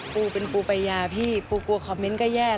ปูเป็นปูปัญญาพี่ปูกลัวคอมเมนต์ก็แย่